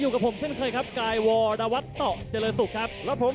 คุณท่านท่านท่านท่าน